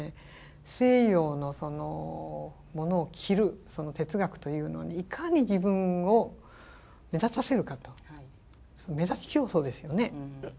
西洋のモノを着る哲学というのはいかに自分を目立たせるかと目立ち競争ですよね。